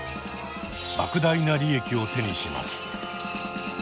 莫大な利益を手にします。